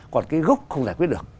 còn cái gốc không giải quyết được